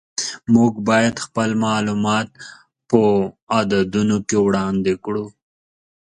موږ باید خپل معلومات په عددونو کې وړاندې کړو.